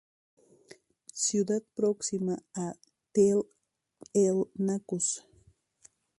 Ciudad próxima a Tell el-Naqus.